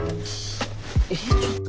えちょっと。